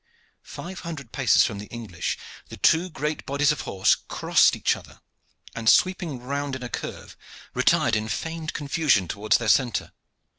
Five hundred paces from the English the two great bodies of horse crossed each other, and, sweeping round in a curve, retired in feigned confusion towards their centre.